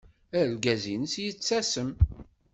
Argaz-nnes yettasem.